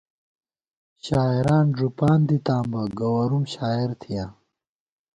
شاعران ݫُپان دِتاں بہ ، گوَرُوم شاعر تھِیاں